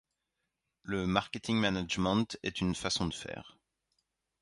Le marketing management est une façon de faire.